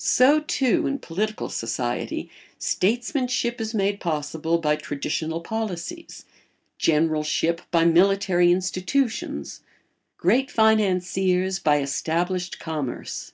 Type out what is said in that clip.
So, too, in political society, statesmanship is made possible by traditional policies, generalship by military institutions, great financiers by established commerce.